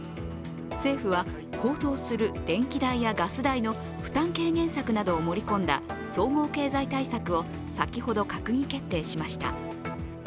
政府は高騰する電気代やガス代の負担軽減策などを盛り込んだ総合経済対策を先ほど閣議決定しました。